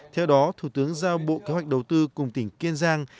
theo đó thủ tướng giao bộ kế hoạch đầu tư cùng tỉnh kiên giang